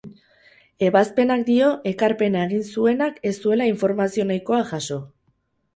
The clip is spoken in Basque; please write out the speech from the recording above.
Ebazpenak dio ekarpena egin zuenak ez zuela informazio nahikoa jaso.